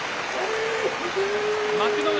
幕内